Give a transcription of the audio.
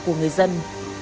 của người dân